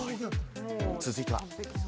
続いては。